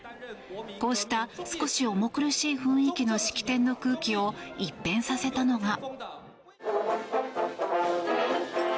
こうした少し重苦しい雰囲気の式典の空気を一変させたのが。